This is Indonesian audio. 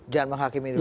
jangan menghakimi dulu